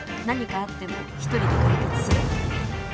何かあっても一人で解決する。